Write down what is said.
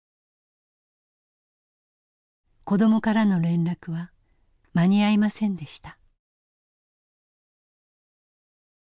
子どもからの連絡は間に合いませんでした。